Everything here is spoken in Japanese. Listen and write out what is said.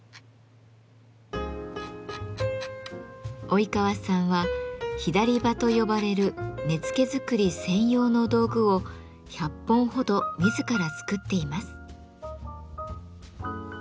及川さんは左刃と呼ばれる根付作り専用の道具を１００本ほど自ら作っています。